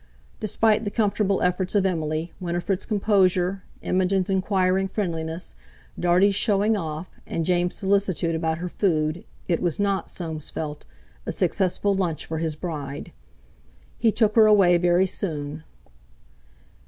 Despite the comfortable efforts of Emily, Winifred's composure, Imogen's enquiring friendliness, Dartie's showing off, and James' solicitude about her food, it was not, Soames felt, a successful lunch for his bride. He took her away very soon.